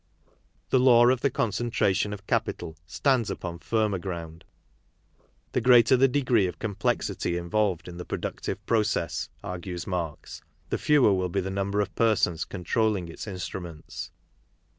The law of the concentration of capital stands upon] firmer ground. The greater the degree of complexity involved in the productive process, argues Marx, the fewer will be the number of persons controlling its instruments.